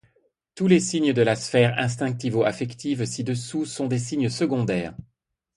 Tous les signes de la sphère instinctivo-affective ci-dessous sont des signes secondaires.